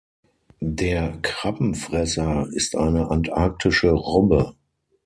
Der Krabbenfresser ist eine antarktische Robbe.